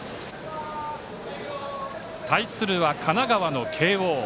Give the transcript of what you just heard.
対するは、神奈川の慶応。